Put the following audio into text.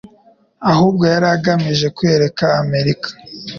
ahubwo yari agamije kwereka Amerika